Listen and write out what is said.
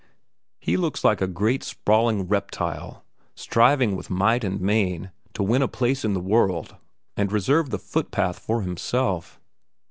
He looks like a great sprawling reptile striving with might and main to win a place in the world and reserve the footpath for himself.